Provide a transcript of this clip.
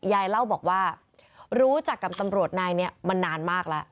ยายเล่าบอกว่ารู้จักกับตำรวจนายนี้มานานมากแล้ว